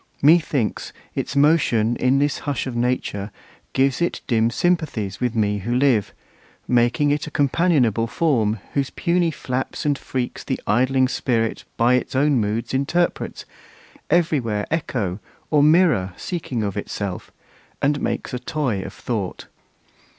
Methinks, its motion in this hush of nature Gives it dim sympathies with me who live, Making it a companionable form, Whose puny flaps and freaks the idling Spirit By its own moods interprets, every where Echo or mirror seeking of itself, And makes a toy of Thought.